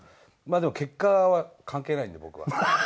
でも結果は関係ないんで、僕は。